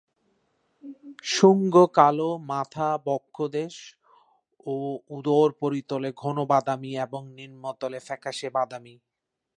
শুঙ্গ কালো; মাথা, বক্ষদেশ ও উদর উপরিতলে ঘন বাদামি এবং নিম্নতলে ফ্যাকাশে বাদামি।